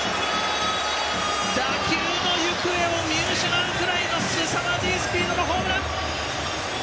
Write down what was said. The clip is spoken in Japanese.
打球の行方を見失うぐらいのすさまじいスピードのホームラン！